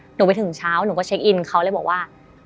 หนูไปถึงเช้าหนูก็เช็คอินเขาเลยบอกว่า